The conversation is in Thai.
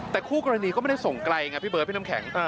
แต่คู่กรณีก็ไม่ได้ส่งไกลไงพี่เบิร์ดพี่น้ำแข็ง